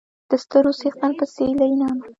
د ستر څښتن په سپېڅلي نامه